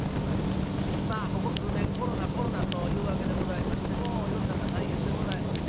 まあここ数年コロナコロナというわけでございましてもう世の中大変でございますね。